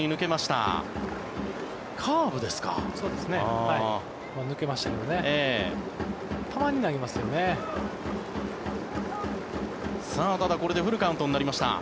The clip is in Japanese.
ただ、これでフルカウントになりました。